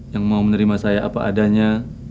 yang mau menerima saya apa adanya